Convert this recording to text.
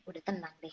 udah tenang deh